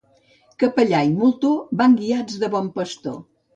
Capellà i moltó van guiats de bon pastor.